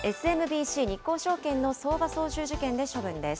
ＳＭＢＣ日興証券の相場操縦事件で処分です。